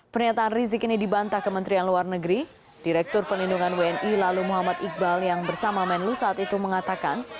pernyataan rizik ini dibantah kementerian luar negeri direktur pelindungan wni lalu muhammad iqbal yang bersama menlu saat itu mengatakan